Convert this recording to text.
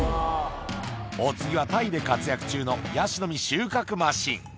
お次はタイで活躍中のヤシの実収穫マシン。